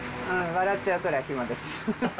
笑っちゃうくらい暇です。